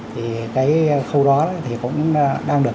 thì cái khâu đó thì cũng đang được